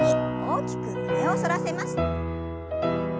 大きく胸を反らせます。